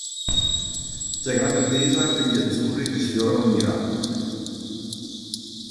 C'è grande attesa per gli azzurri che sfiorano il miracolo.